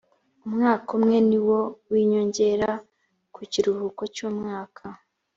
umwaka umwe niwo w ‘inyongera ku kiruhuko cy’umwaka